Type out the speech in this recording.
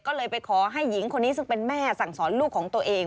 ก็เลยไปขอให้หญิงคนนี้ซึ่งเป็นแม่สั่งสอนลูกของตัวเอง